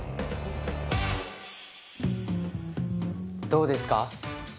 どうですか？